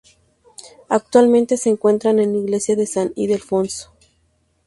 Actualmente se encuentra en la Iglesia de San Ildefonso.